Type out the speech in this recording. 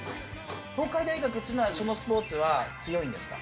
東海大学というのは、そのスポーツは強いんですか？